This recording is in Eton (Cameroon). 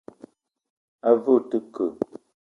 A ve o te ke ?